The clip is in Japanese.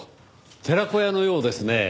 寺子屋のようですねぇ。